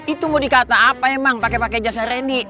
itu mau dikata apa emang pakai pakai jasa randy